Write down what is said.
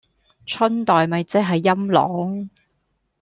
春袋咪即係陰嚢